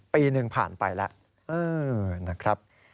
ปีหนึ่งผ่านไปแล้วนะครับ